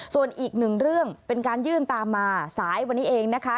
ส่วนอีกหนึ่งเรื่องเป็นการยื่นตามมาสายวันนี้เองนะคะ